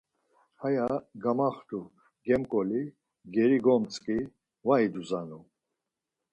Haya gamaxt̆u gemǩoli geri gomtzǩi var iduzanu.